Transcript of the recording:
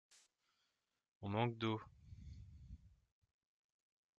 On manque d’eau.